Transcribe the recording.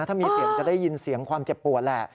ถ้ามีเสียงจะได้ยินเสียงความเจ็บปวดแหละ